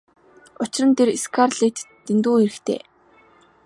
Учир нь тэр Скарлеттад дэндүү хэрэгтэй.